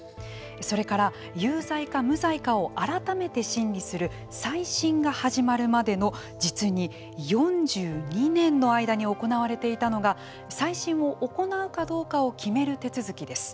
それから有罪か無罪かを改めて審理する再審が始まるまでの実に４２年の間に行われていたのが再審を行うかどうかを決める手続きです。